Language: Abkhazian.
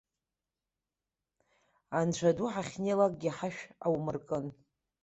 Анцәа ду, ҳахьнеилакгьы ҳашә аумыркын!